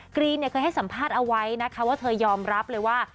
กรีนเคยให้สัมภาษณ์เอาไว้นะคะว่าเธอยอมรับเลยว่า